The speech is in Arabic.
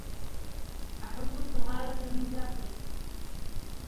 أحب الطهارة من داخل